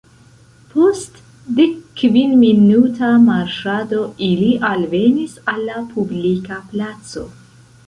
Post dekkvinminuta marŝado ili alvenis al la publika placo.